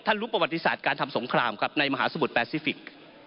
รู้ประวัติศาสตร์การทำสงครามครับในมหาสมุทรแปซิฟิก